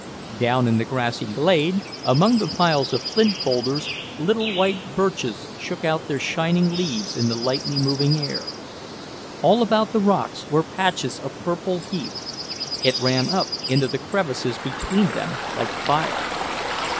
Down in the grassy glade, among the piles of flint boulders, little white birches shook out their shining leaves in the lightly moving air. All about the rocks were patches of purple heath; it ran up into the crevices between them like fire.